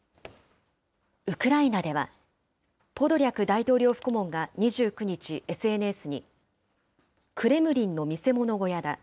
ウクライナでは、ポドリャク大統領府顧問が、２９日、ＳＮＳに、クレムリンの見せ物小屋だ。